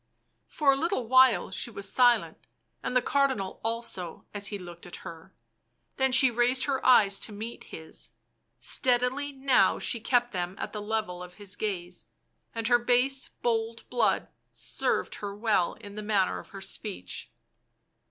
For a little while she was silent, and the Cardinal also as he looked at her, then she raised her eyes to meet his ; steadily now she kept them at the level of his gaze, and her base bold blood served her well in the manner of her speech.